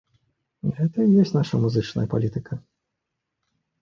Гэта і ёсць нашая музычная палітыка.